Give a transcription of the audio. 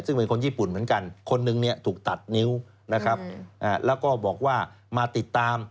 ซึ่งเป็นคนญี่ปุ่นเหมือนกันคนนึงเนี่ยถูกตัดนิ้วนะครับแล้วก็บอกว่ามาติดตาม